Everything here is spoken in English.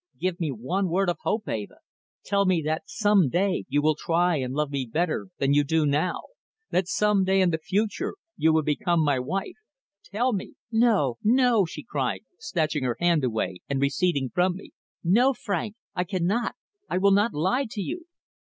"Give me one word of hope, Eva. Tell me that some day you will try and love me better than you do now; that some day in the future you will become my wife. Tell me " "No! no!" she cried, snatching her hand away and receding from me. "No, Frank, I cannot I will not lie to you."